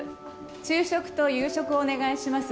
昼食と夕食をお願いします。